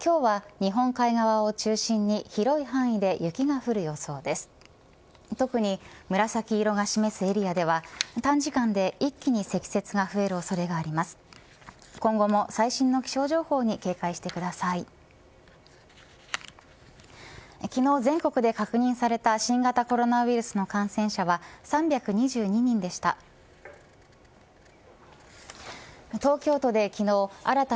昨日全国で確認された新型コロナウイルスの感染者は３２２人でした。